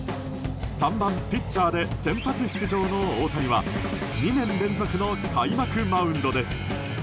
３番ピッチャーで先発出場の大谷は２年連続の開幕マウンドです。